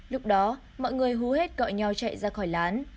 lúc đó mọi người hú hết gọi nhau chạy ra khỏi lán